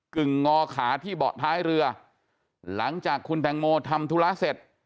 ึ่งงอขาที่เบาะท้ายเรือหลังจากคุณแตงโมทำธุระเสร็จ